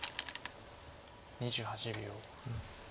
２８秒。